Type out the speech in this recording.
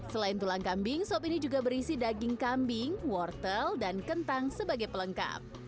selain tulang kambing sop ini juga berisi daging kambing wortel dan kentang sebagai pelengkap